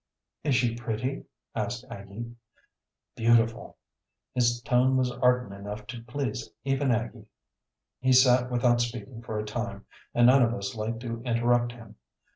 "Is she pretty?" asked Aggie. "Beautiful!" His tone was ardent enough to please even Aggie. He sat without speaking for a time, and none of us liked to interrupt him.